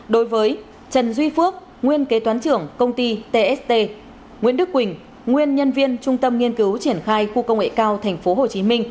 đối với trần duy phước nguyên kế toán trưởng công ty tst nguyễn đức quỳnh nguyên nhân viên trung tâm nghiên cứu triển khai khu công nghệ cao tp hcm